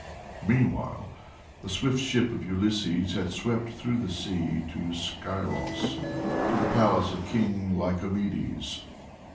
Meanwhile the swift ship of Ulysses had swept through the sea to Scyros, and to the palace of King Lycomedes.